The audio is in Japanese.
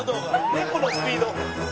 猫のスピード。